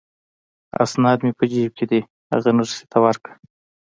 اسناد مې په جیب کې دي، هغه نرسې ته ورکړه.